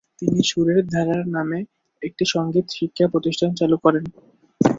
তিনি সুরের ধারা নামের একটি সংগীত শিক্ষা প্রতিষ্ঠান চালু করেন।